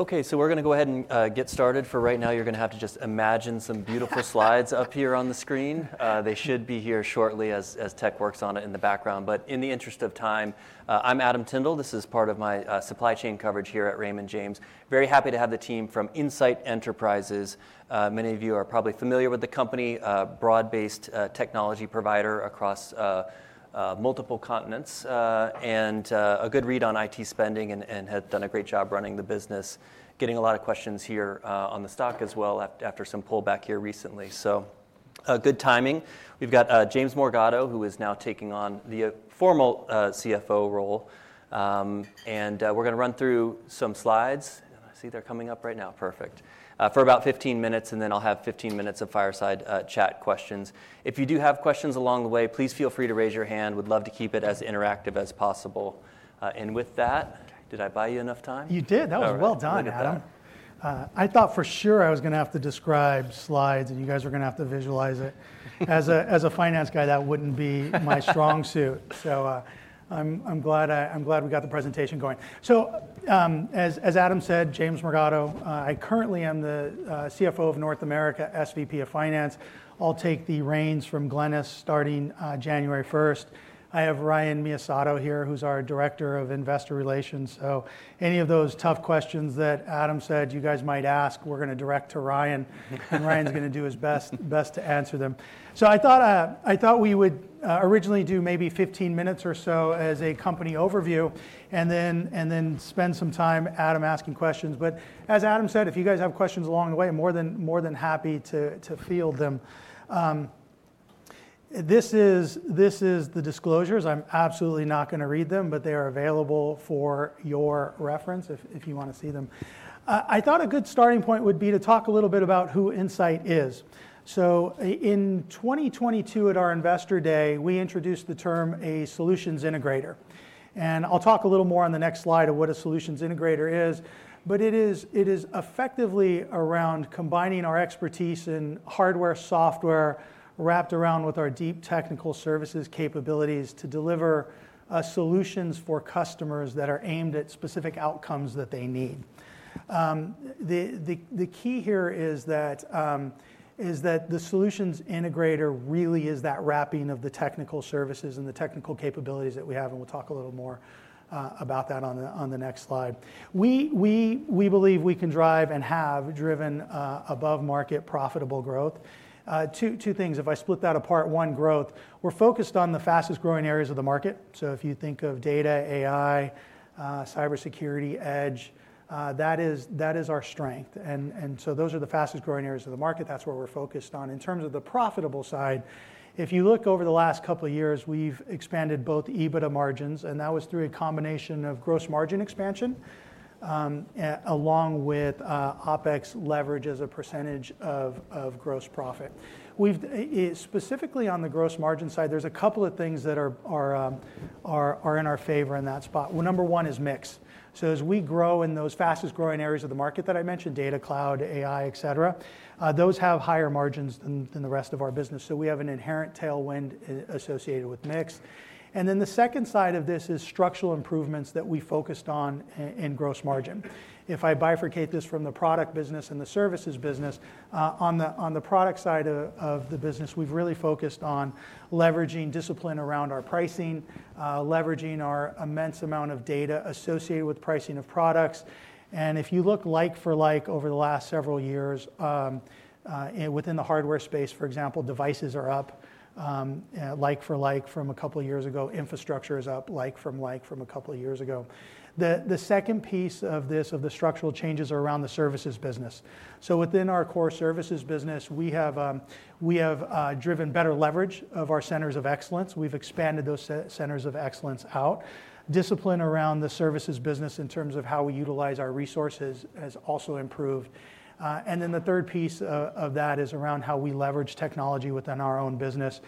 Okay, so we're going to go ahead and get started. For right now, you're going to have to just imagine some beautiful slides up here on the screen. They should be here shortly as tech works on it in the background. But in the interest of time, I'm Adam Tindle. This is part of my supply chain coverage here at Raymond James. Very happy to have the team from Insight Enterprises. Many of you are probably familiar with the company, a broad-based technology provider across multiple continents, and a good read on IT spending, and have done a great job running the business, getting a lot of questions here on the stock as well after some pullback here recently, so good timing. We've got James Morgado, who is now taking on the formal CFO role, and we're going to run through some slides. I see they're coming up right now. Perfect. For about 15 minutes, and then I'll have 15 minutes of fireside chat questions. If you do have questions along the way, please feel free to raise your hand. We'd love to keep it as interactive as possible. And with that, did I buy you enough time? You did. That was well done, Adam. I thought for sure I was going to have to describe slides, and you guys are going to have to visualize it. As a finance guy, that wouldn't be my strong suit, so I'm glad we got the presentation going. As Adam said, James Morgado, I currently am the CFO of North America, SVP of Finance. I'll take the reins from Glynis starting January 1st. I have Ryan Miyasato here, who's our Director of Investor Relations. Any of those tough questions that Adam said you guys might ask, we're going to direct to Ryan, and Ryan's going to do his best to answer them. I thought we would originally do maybe 15 minutes or so as a company overview, and then spend some time Adam asking questions. But as Adam said, if you guys have questions along the way, I'm more than happy to field them. This is the disclosures. I'm absolutely not going to read them, but they are available for your reference if you want to see them. I thought a good starting point would be to talk a little bit about who Insight is. So in 2022, at our Investor Day, we introduced the term a solutions integrator. And I'll talk a little more on the next slide of what a solutions integrator is. But it is effectively around combining our expertise in hardware, software, wrapped around with our deep technical services capabilities to deliver solutions for customers that are aimed at specific outcomes that they need. The key here is that the solutions integrator really is that wrapping of the technical services and the technical capabilities that we have, and we'll talk a little more about that on the next slide. We believe we can drive and have driven above-market profitable growth. Two things, if I split that apart, one growth, we're focused on the fastest growing areas of the market. So if you think of data, AI, cybersecurity, edge, that is our strength. And so those are the fastest growing areas of the market. That's where we're focused on. In terms of the profitable side, if you look over the last couple of years, we've expanded both EBITDA margins, and that was through a combination of gross margin expansion along with OPEX leverage as a percentage of gross profit. Specifically on the gross margin side, there's a couple of things that are in our favor in that spot. Well, number one is mix, so as we grow in those fastest growing areas of the market that I mentioned, data, cloud, AI, et cetera, those have higher margins than the rest of our business, so we have an inherent tailwind associated with mix, and then the second side of this is structural improvements that we focused on in gross margin. If I bifurcate this from the product business and the services business, on the product side of the business, we've really focused on leveraging discipline around our pricing, leveraging our immense amount of data associated with pricing of products, and if you look like for like over the last several years within the hardware space, for example, devices are up like for like from a couple of years ago. Infrastructure is up, like, from a couple of years ago. The second piece of this, of the structural changes, are around the services business, so within our core services business, we have driven better leverage of our centers of excellence. We've expanded those centers of excellence out. Discipline around the services business in terms of how we utilize our resources has also improved. And then the third piece of that is around how we leverage technology within our own business.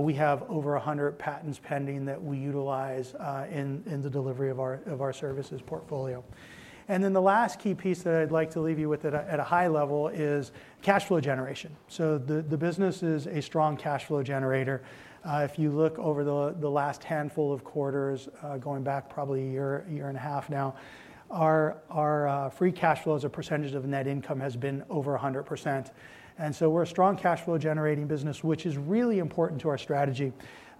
We have over 100 patents pending that we utilize in the delivery of our services portfolio. And then the last key piece that I'd like to leave you with at a high level is cash flow generation, so the business is a strong cash flow generator. If you look over the last handful of quarters, going back probably a year and a half now, our free cash flow as a percentage of net income has been over 100%, and so we're a strong cash flow generating business, which is really important to our strategy.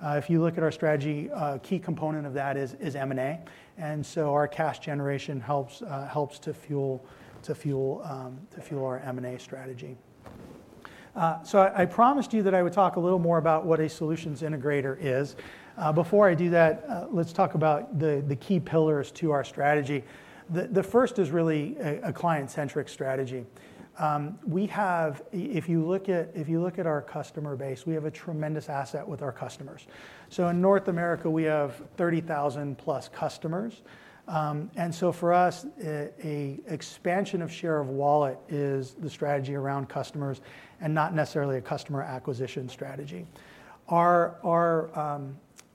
If you look at our strategy, a key component of that is M&A, and so our cash generation helps to fuel our M&A strategy, so I promised you that I would talk a little more about what a solutions integrator is. Before I do that, let's talk about the key pillars to our strategy. The first is really a client-centric strategy. If you look at our customer base, we have a tremendous asset with our customers. So in North America, we have 30,000+ customers. And so for us, an expansion of share of wallet is the strategy around customers and not necessarily a customer acquisition strategy.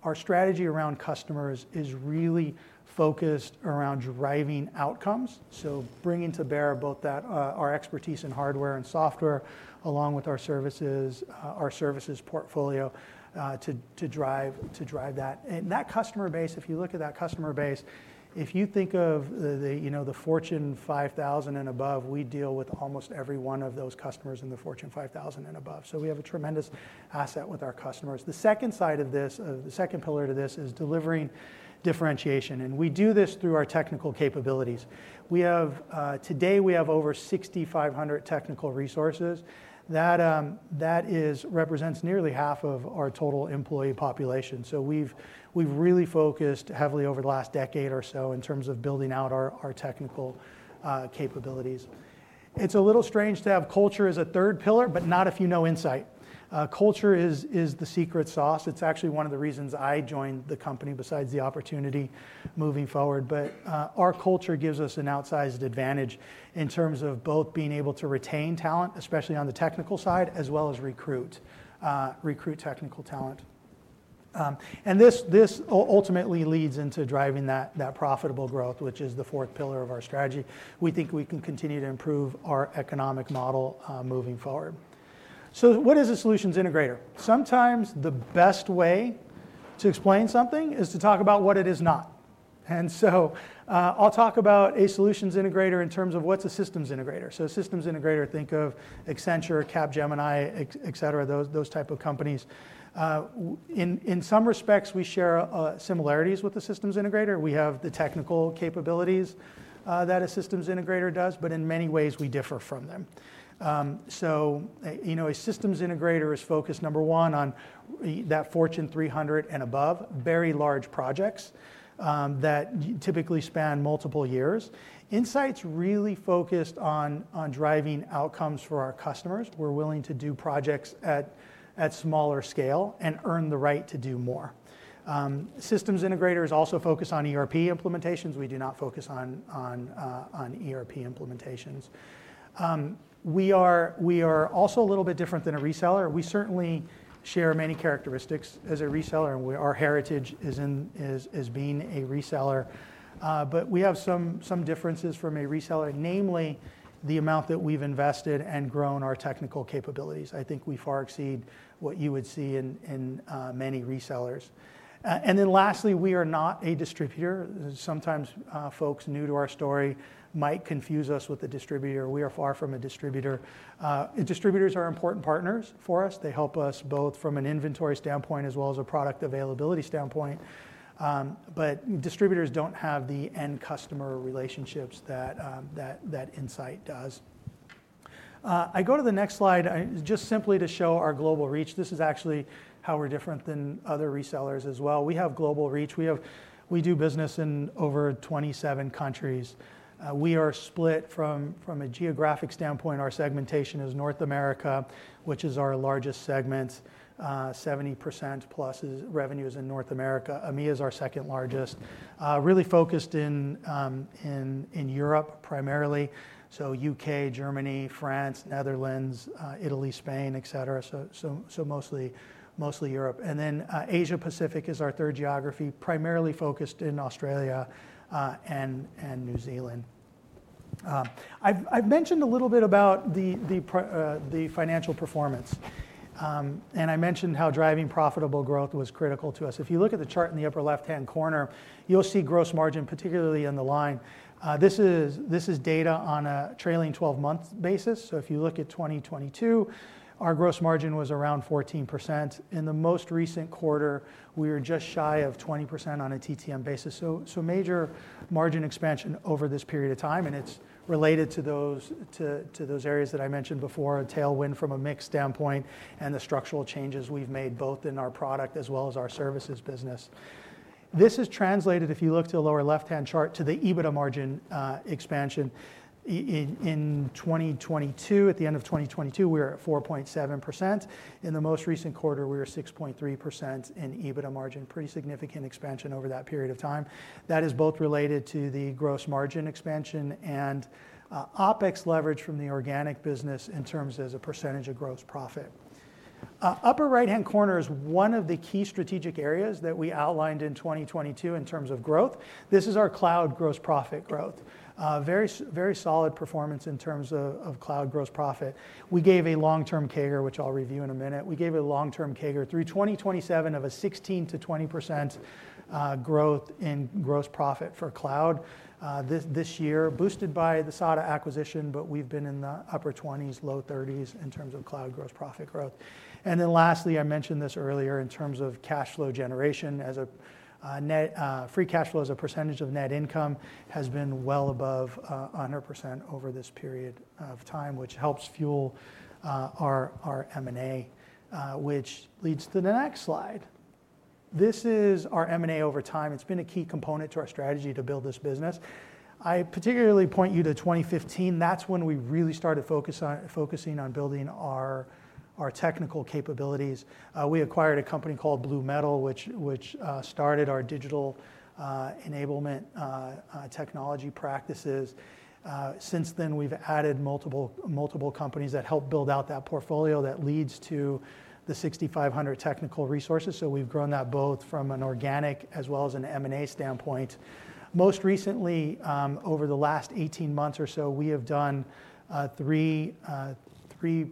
Our strategy around customers is really focused around driving outcomes, so bringing to bear both our expertise in hardware and software along with our services portfolio to drive that. And that customer base, if you look at that customer base, if you think of the Fortune 5000 and above, we deal with almost every one of those customers in the Fortune 5000 and above. So we have a tremendous asset with our customers. The second side of this, the second pillar to this, is delivering differentiation. And we do this through our technical capabilities. Today, we have over 6,500 technical resources. That represents nearly half of our total employee population. So we've really focused heavily over the last decade or so in terms of building out our technical capabilities. It's a little strange to have culture as a third pillar, but not if you know Insight. Culture is the secret sauce. It's actually one of the reasons I joined the company besides the opportunity moving forward. But our culture gives us an outsized advantage in terms of both being able to retain talent, especially on the technical side, as well as recruit technical talent. And this ultimately leads into driving that profitable growth, which is the fourth pillar of our strategy. We think we can continue to improve our economic model moving forward. So what is a solutions integrator? Sometimes the best way to explain something is to talk about what it is not. And so I'll talk about a solutions integrator in terms of what's a systems integrator. So a systems integrator, think of Accenture, Capgemini, et cetera, those type of companies. In some respects, we share similarities with a systems integrator. We have the technical capabilities that a systems integrator does, but in many ways, we differ from them. So a systems integrator is focused, number one, on that Fortune 300 and above, very large projects that typically span multiple years. Insight's really focused on driving outcomes for our customers. We're willing to do projects at smaller scale and earn the right to do more. Systems integrators also focus on ERP implementations. We do not focus on ERP implementations. We are also a little bit different than a reseller. We certainly share many characteristics as a reseller, and our heritage is being a reseller. But we have some differences from a reseller, namely the amount that we've invested and grown our technical capabilities. I think we far exceed what you would see in many resellers. And then lastly, we are not a distributor. Sometimes folks new to our story might confuse us with a distributor. We are far from a distributor. Distributors are important partners for us. They help us both from an inventory standpoint as well as a product availability standpoint. But distributors don't have the end customer relationships that Insight does. I go to the next slide just simply to show our global reach. This is actually how we're different than other resellers as well. We have global reach. We do business in over 27 countries. We are split from a geographic standpoint. Our segmentation is North America, which is our largest segment. 70% plus revenue is in North America. EMEA is our second largest, really focused in Europe primarily. So U.K., Germany, France, Netherlands, Italy, Spain, et cetera. So mostly Europe. And then Asia-Pacific is our third geography, primarily focused in Australia and New Zealand. I've mentioned a little bit about the financial performance. And I mentioned how driving profitable growth was critical to us. If you look at the chart in the upper left-hand corner, you'll see gross margin, particularly in the line. This is data on a trailing 12-month basis. So if you look at 2022, our gross margin was around 14%. In the most recent quarter, we were just shy of 20% on a TTM basis. So major margin expansion over this period of time. And it's related to those areas that I mentioned before, a tailwind from a mix standpoint, and the structural changes we've made both in our product as well as our services business. This is translated, if you look to the lower left-hand chart, to the EBITDA margin expansion. In 2022, at the end of 2022, we were at 4.7%. In the most recent quarter, we were 6.3% in EBITDA margin, pretty significant expansion over that period of time. That is both related to the gross margin expansion and OPEX leverage from the organic business in terms as a percentage of gross profit. Upper right-hand corner is one of the key strategic areas that we outlined in 2022 in terms of growth. This is our cloud gross profit growth. Very solid performance in terms of cloud gross profit. We gave a long-term CAGR, which I'll review in a minute. We gave a long-term CAGR through 2027 of a 16%-20% growth in gross profit for cloud this year, boosted by the SADA acquisition, but we've been in the upper 20s, low 30s in terms of cloud gross profit growth. And then lastly, I mentioned this earlier in terms of cash flow generation as a free cash flow as a percentage of net income has been well above 100% over this period of time, which helps fuel our M&A, which leads to the next slide. This is our M&A over time. It's been a key component to our strategy to build this business. I particularly point you to 2015. That's when we really started focusing on building our technical capabilities. We acquired a company called BlueMetal, which started our digital enablement technology practices. Since then, we've added multiple companies that help build out that portfolio that leads to the 6,500 technical resources. So we've grown that both from an organic as well as an M&A standpoint. Most recently, over the last 18 months or so, we have done three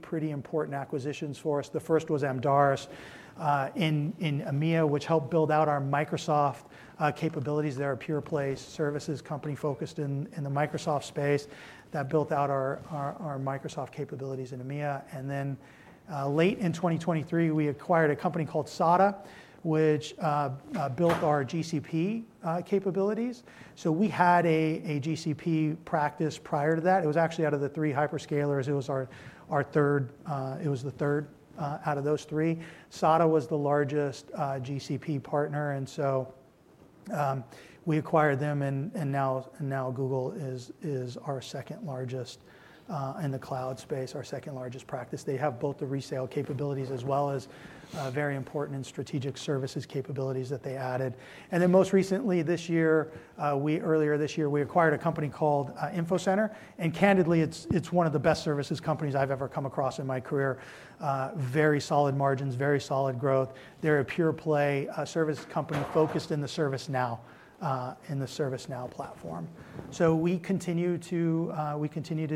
pretty important acquisitions for us. The first was Amdaris in EMEA, which helped build out our Microsoft capabilities. They're a pure play services company focused in the Microsoft space that built out our Microsoft capabilities in EMEA, and then late in 2023, we acquired a company called SADA, which built our GCP capabilities, so we had a GCP practice prior to that. It was actually out of the three hyperscalers. It was the third out of those three. SADA was the largest GCP partner, and so we acquired them, and now Google is our second largest in the cloud space, our second largest practice. They have both the resale capabilities as well as very important and strategic services capabilities that they added, and then most recently this year, earlier this year, we acquired a company called Infocenter, and candidly, it's one of the best services companies I've ever come across in my career. Very solid margins, very solid growth. They're a pure play service company focused in the ServiceNow, in the ServiceNow platform. So we continue to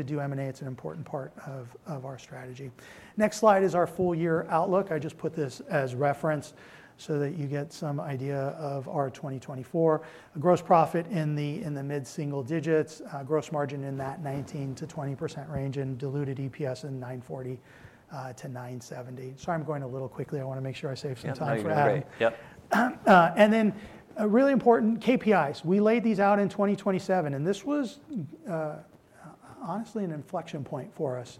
do M&A. It's an important part of our strategy. Next slide is our full year outlook. I just put this as reference so that you get some idea of our 2024. Gross profit in the mid-single digits, gross margin in that 19%-20% range, and diluted EPS in $9.40-$9.70. Sorry, I'm going a little quickly. I want to make sure I save some time for Adam. Yep, and then really important KPIs. We laid these out for 2027, and this was honestly an inflection point for us.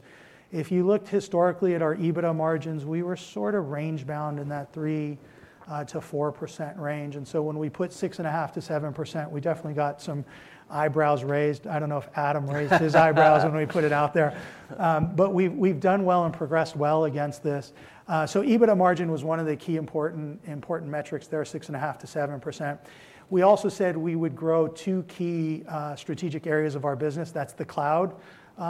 If you looked historically at our EBITDA margins, we were sort of range bound in that 3%-4% range. And so when we put 6.5%-7%, we definitely got some eyebrows raised. I don't know if Adam raised his eyebrows when we put it out there. But we've done well and progressed well against this. So EBITDA margin was one of the key important metrics there, 6.5%-7%. We also said we would grow two key strategic areas of our business. That's the cloud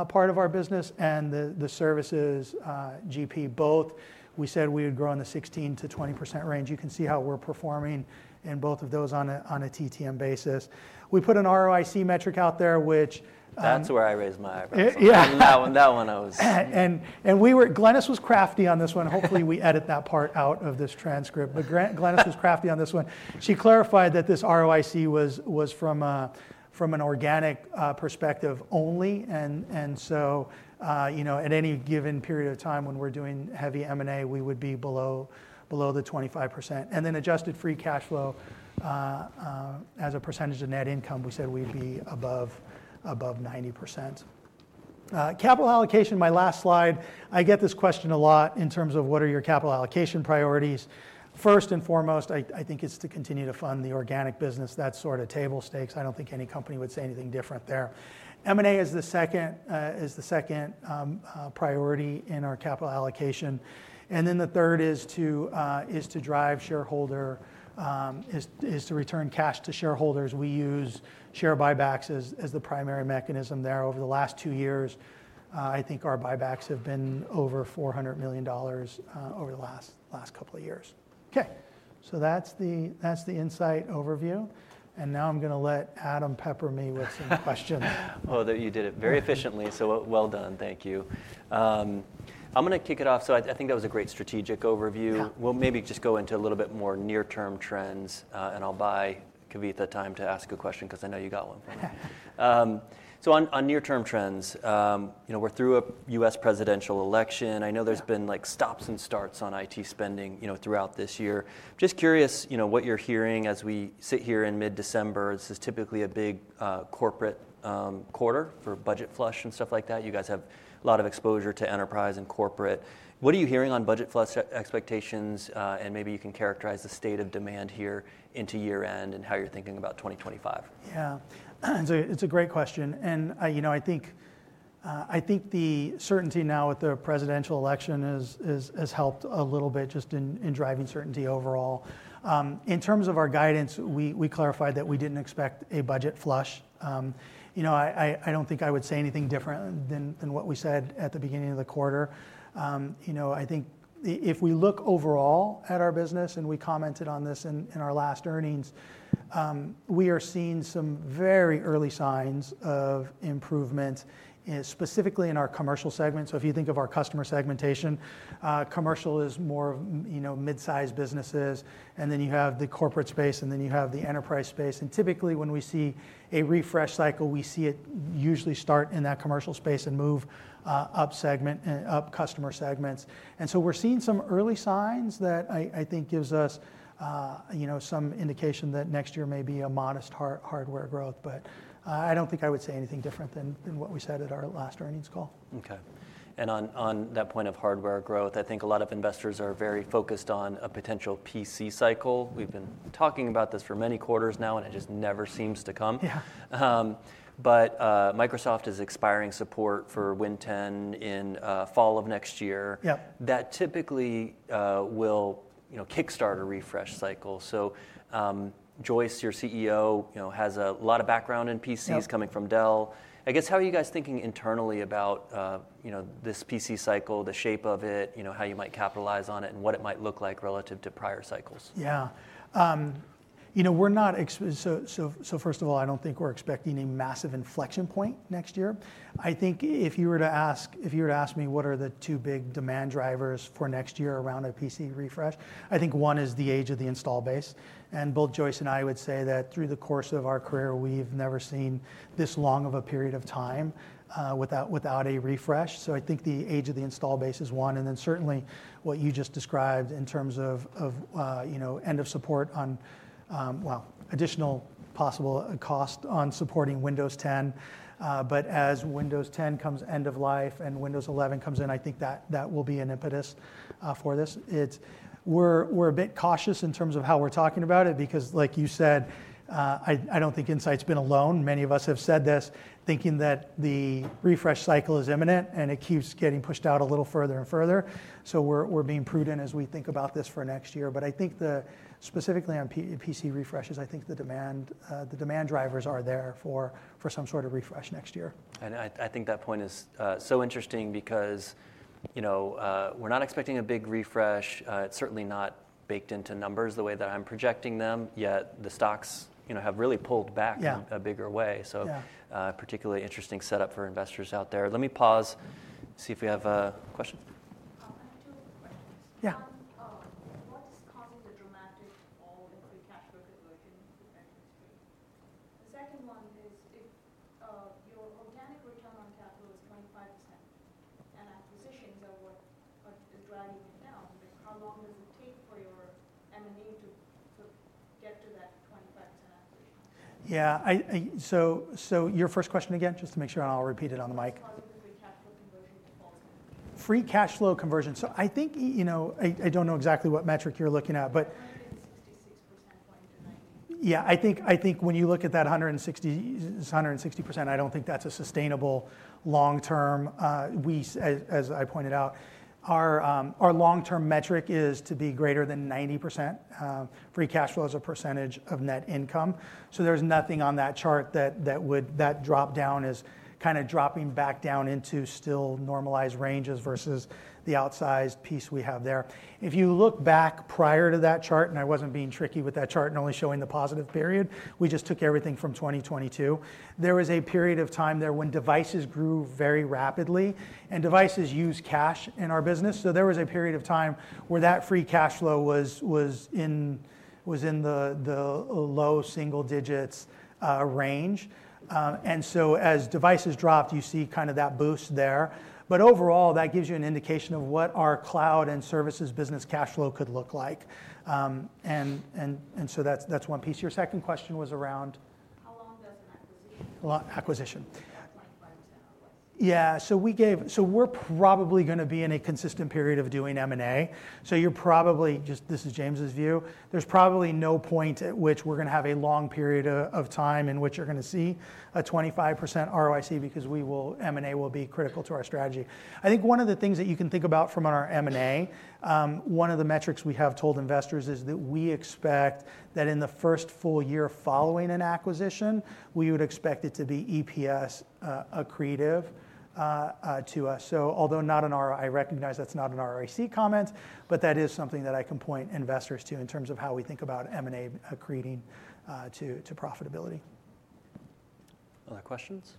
part of our business and the services GP. Both we said we would grow in the 16%-20% range. You can see how we're performing in both of those on a TTM basis. We put an ROIC metric out there, which. That's where I raised my eyebrows. Yeah. That one, that one I was. And Glynis was crafty on this one. Hopefully, we edit that part out of this transcript. But Glynis was crafty on this one. She clarified that this ROIC was from an organic perspective only. And so at any given period of time when we're doing heavy M&A, we would be below the 25%. And then adjusted free cash flow as a percentage of net income, we said we'd be above 90%. Capital allocation, my last slide. I get this question a lot in terms of what are your capital allocation priorities. First and foremost, I think it's to continue to fund the organic business. That's sort of table stakes. I don't think any company would say anything different there. M&A is the second priority in our capital allocation. And then the third is to drive shareholder, is to return cash to shareholders. We use share buybacks as the primary mechanism there. Over the last two years, I think our buybacks have been over $400 million over the last couple of years. Okay. So that's the Insight overview. And now I'm going to let Adam pepper me with some questions. Oh, you did it very efficiently. So well done. Thank you. I'm going to kick it off. So I think that was a great strategic overview. We'll maybe just go into a little bit more near-term trends. And I'll buy Kavitha time to ask a question because I know you got one. So on near-term trends, we're through a U.S. presidential election. I know there's been stops and starts on IT spending throughout this year. Just curious what you're hearing as we sit here in mid-December. This is typically a big corporate quarter for budget flush and stuff like that. You guys have a lot of exposure to enterprise and corporate. What are you hearing on budget flush expectations? And maybe you can characterize the state of demand here into year-end and how you're thinking about 2025. Yeah. It's a great question, and I think the certainty now with the presidential election has helped a little bit just in driving certainty overall. In terms of our guidance, we clarified that we didn't expect a budget flush. I don't think I would say anything different than what we said at the beginning of the quarter. I think if we look overall at our business, and we commented on this in our last earnings, we are seeing some very early signs of improvement, specifically in our commercial segment, so if you think of our customer segmentation, commercial is more of midsize businesses, and then you have the corporate space, and then you have the enterprise space, and typically, when we see a refresh cycle, we see it usually start in that commercial space and move up customer segments. And so we're seeing some early signs that I think gives us some indication that next year may be a modest hardware growth. But I don't think I would say anything different than what we said at our last earnings call. Okay. And on that point of hardware growth, I think a lot of investors are very focused on a potential PC cycle. We've been talking about this for many quarters now, and it just never seems to come. But Microsoft is expiring support for Win 10 in fall of next year. That typically will kickstart a refresh cycle. So Joyce, your CEO, has a lot of background in PCs coming from Dell. I guess how are you guys thinking internally about this PC cycle, the shape of it, how you might capitalize on it, and what it might look like relative to prior cycles? Yeah. So first of all, I don't think we're expecting a massive inflection point next year. I think if you were to ask me what are the two big demand drivers for next year around a PC refresh, I think one is the age of the installed base. And both Joyce and I would say that through the course of our career, we've never seen this long of a period of time without a refresh. So I think the age of the installed base is one. And then certainly what you just described in terms of end of support on, well, additional possible cost on supporting Windows 10. But as Windows 10 comes end of life and Windows 11 comes in, I think that will be an impetus for this. We're a bit cautious in terms of how we're talking about it because, like you said, I don't think Insight's been alone. Many of us have said this, thinking that the refresh cycle is imminent and it keeps getting pushed out a little further and further. So we're being prudent as we think about this for next year. But I think specifically on PC refreshes, I think the demand drivers are there for some sort of refresh next year. And I think that point is so interesting because we're not expecting a big refresh. It's certainly not baked into numbers the way that I'm projecting them, yet the stocks have really pulled back in a bigger way. So particularly interesting setup for investors out there. Let me pause, see if we have a question. I have two questions. Yeah. What is causing the dramatic fall in free cash flow conversion in the secondary? The second one is if your organic return on capital is 25% and acquisitions are what is dragging it down, how long does it take for your M&A to get to that 25% acquisition? Yeah. So your first question again, just to make sure I'll repeat it on the mic. Free cash flow conversion. So I think I don't know exactly what metric you're looking at, but Yeah. I think when you look at that 160%, I don't think that's a sustainable long-term. As I pointed out, our long-term metric is to be greater than 90%. Free cash flow is a percentage of net income. So there's nothing on that chart that dropped down, is kind of dropping back down into still normalized ranges versus the outsized piece we have there. If you look back prior to that chart, and I wasn't being tricky with that chart and only showing the positive period, we just took everything from 2022. There was a period of time there when devices grew very rapidly, and devices use cash in our business. So there was a period of time where that free cash flow was in the low single digits range. And so as devices dropped, you see kind of that boost there. But overall, that gives you an indication of what our cloud and services business cash flow could look like. And so that's one piece. Your second question was around Acquisition 25% out of what? Yeah. We're probably going to be in a consistent period of doing M&A. You're probably just, this is James's view. There's probably no point at which we're going to have a long period of time in which you're going to see a 25% ROIC because M&A will be critical to our strategy. I think one of the things that you can think about from our M&A, one of the metrics we have told investors is that we expect that in the first full year following an acquisition, we would expect it to be EPS accretive to us. Although not an ROIC, I recognize that's not an ROIC comment, but that is something that I can point investors to in terms of how we think about M&A accreting to profitability. Other questions?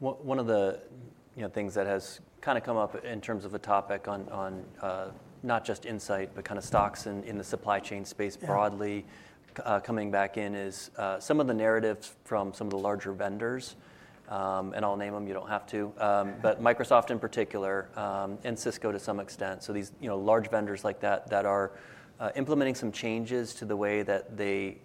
One of the things that has kind of come up in terms of a topic on not just Insight, but kind of stocks in the supply chain space broadly coming back in is some of the narratives from some of the larger vendors, and I'll name them. You don't have to, but Microsoft in particular, and Cisco to some extent, so these large vendors like that that are implementing some changes to the way that they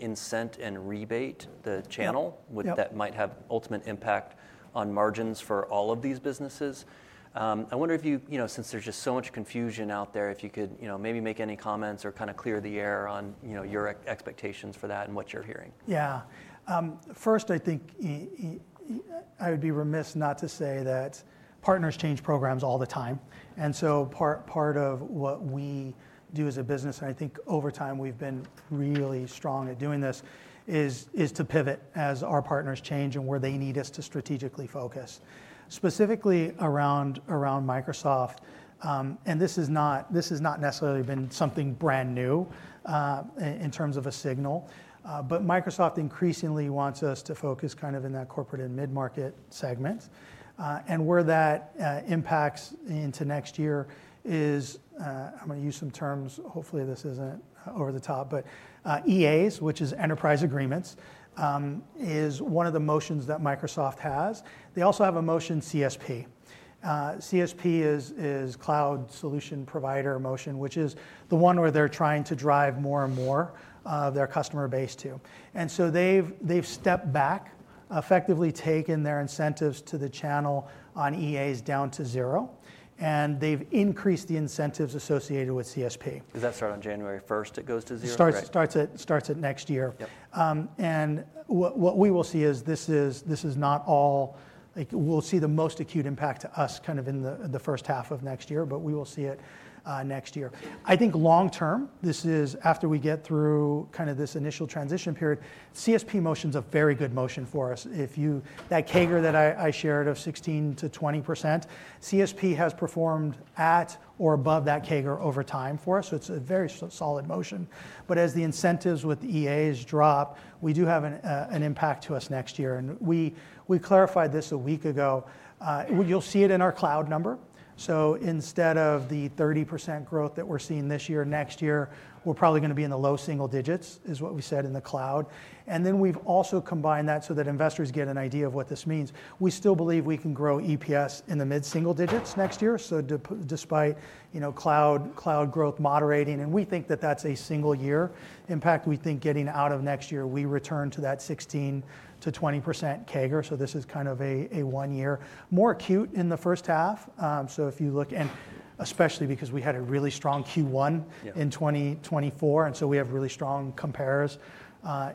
incent and rebate the channel that Yep might have ultimate impact on margins for all of these businesses. I wonder if you, since there's just so much confusion out there, if you could maybe make any comments or kind of clear the air on your expectations for that and what you're hearing. Yeah. First, I think I would be remiss not to say that partners change programs all the time. And so part of what we do as a business, and I think over time we've been really strong at doing this, is to pivot as our partners change and where they need us to strategically focus. Specifically around Microsoft, and this has not necessarily been something brand new in terms of a signal, but Microsoft increasingly wants us to focus kind of in that corporate and mid-market segment. And where that impacts into next year is, I'm going to use some terms, hopefully this isn't over the top, but EAs, which is enterprise agreements, is one of the motions that Microsoft has. They also have a motion CSP. CSP is Cloud Solution Provider Motion, which is the one where they're trying to drive more and more of their customer base to. And so they've stepped back, effectively taken their incentives to the channel on EAs down to zero, and they've increased the incentives associated with CSP. Does that start on January 1st? It goes to zero? Starts at next year. And what we will see is this is not all, we'll see the most acute impact to us kind of in the first half of next year, but we will see it next year. I think long-term, this is after we get through kind of this initial transition period, CSP motion is a very good motion for us. That CAGR that I shared of 16%-20%, CSP has performed at or above that CAGR over time for us. So it's a very solid motion. But as the incentives with EAs drop, we do have an impact to us next year. And we clarified this a week ago. You'll see it in our cloud number. So instead of the 30% growth that we're seeing this year, next year, we're probably going to be in the low single digits, is what we said in the cloud. And then we've also combined that so that investors get an idea of what this means. We still believe we can grow EPS in the mid-single digits next year. So despite cloud growth moderating, and we think that that's a single-year impact, we think getting out of next year, we return to that 16%-20% CAGR. So this is kind of a one-year. More acute in the first half. So if you look, and especially because we had a really strong Q1 in 2024, and so we have really strong comparables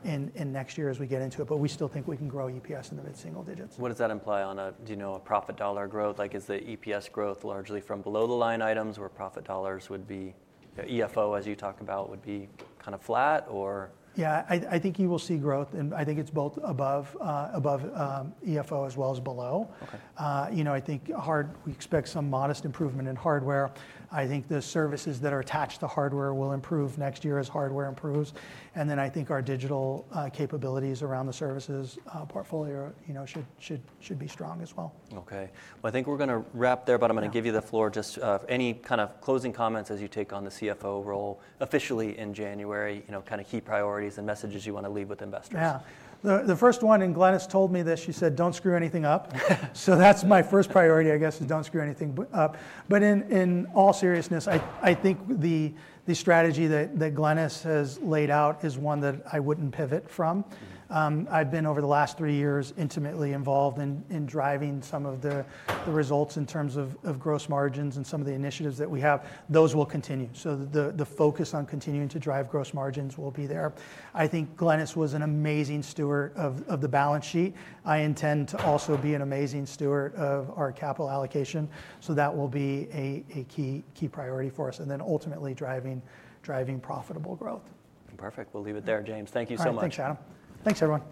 in next year as we get into it. But we still think we can grow EPS in the mid-single digits. What does that imply on a, do you know, a profit dollar growth? Is the EPS growth largely from below the line items where profit dollars would be, EFO as you talk about would be kind of flat or? Yeah. I think you will see growth, and I think it's both above EFO as well as below. I think we expect some modest improvement in hardware. I think the services that are attached to hardware will improve next year as hardware improves. And then I think our digital capabilities around the services portfolio should be strong as well. Okay. Well, I think we're going to wrap there, but I'm going to give you the floor just for any kind of closing comments as you take on the CFO role officially in January, kind of key priorities and messages you want to leave with investors. Yeah. The first one, and Glynis told me this, she said, "Don't screw anything up." So that's my first priority, I guess, is don't screw anything up. But in all seriousness, I think the strategy that Glynis has laid out is one that I wouldn't pivot from. I've been over the last three years intimately involved in driving some of the results in terms of gross margins and some of the initiatives that we have. Those will continue. So the focus on continuing to drive gross margins will be there. I think Glynis was an amazing steward of the balance sheet. I intend to also be an amazing steward of our capital allocation. So that will be a key priority for us. And then ultimately driving profitable growth. Perfect. We'll leave it there, James. Thank you so much. Thanks, Adam. Thanks, everyone.